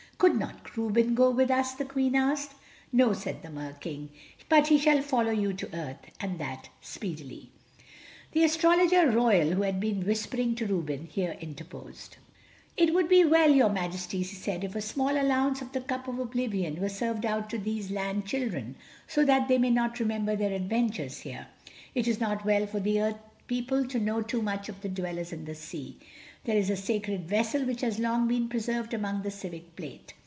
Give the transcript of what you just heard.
"Could not Reuben go with us?" the Queen asked. "No," said the Mer King, "but he shall follow you to earth, and that speedily." The Astrologer Royal, who had been whispering to Reuben, here interposed. "It would be well, your Majesties," he said, "if a small allowance of the cup of oblivion were served out to these land children, so that they may not remember their adventures here. It is not well for the Earth People to know too much of the dwellers in the sea. There is a sacred vessel which has long been preserved among the civic plate.